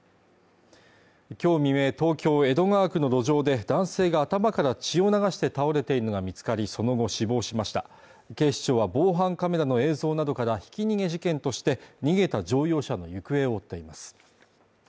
今日未明東京江戸川区の路上で男性が頭から血を流して倒れているのが見つかりその後死亡しました警視庁は防犯カメラの映像などからひき逃げ事件として逃げた乗用車の行方を追っています